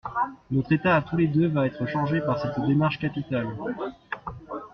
Notre état à tous les deux va être changé par cette démarche capitale.